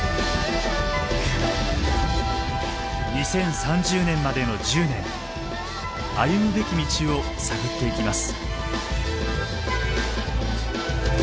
２０３０年までの１０年歩むべき道を探っていきます。